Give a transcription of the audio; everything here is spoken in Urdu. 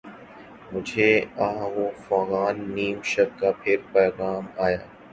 مجھے آہ و فغان نیم شب کا پھر پیام آیا